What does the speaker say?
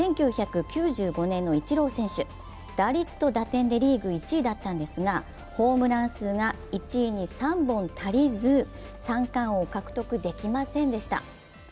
１９９５年のイチロー選手、打率と打点でリーグ１位だったんですがホームラン数が１位に３本足りず三冠王を獲得できませんでした。